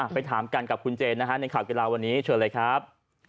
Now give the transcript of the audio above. ไปถามกันกับคุณเจนนะฮะในข่าวกีฬาวันนี้เชิญเลยครับ